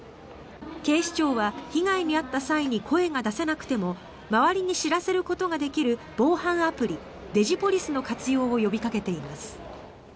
警視庁は、被害に遭った際に声が出せなくても周りに知らせることができる防犯アプリＤｉｇｉＰｏｌｉｃｅの活用を呼びかけています。